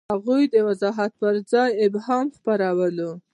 هغوی د وضاحت پر ځای ابهام خپرولو.